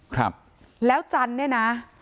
ครับแล้วจันทร์เนี่ยนะ